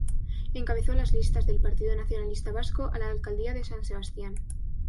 Encabezó las listas del Partido Nacionalista Vasco a la alcaldía de San Sebastián.